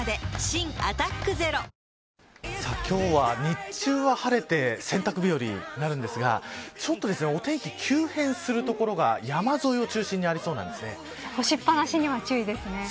新「アタックＺＥＲＯ」今日は、日中は晴れて洗濯日和になるんですがちょっとお天気急変する所が山沿いを中心に干しっぱなしには注意ですね。